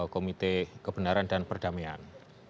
komite kebenaran dan perdamaian